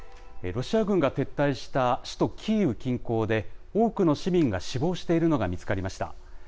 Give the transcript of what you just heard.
ロシア軍が撤退した首都キーウ近郊で、多くの市民が死亡しているのが見つかりました。